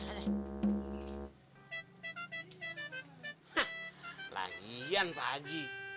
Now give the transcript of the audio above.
hah lagian pak haji